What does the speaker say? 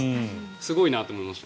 すごいなと思いました。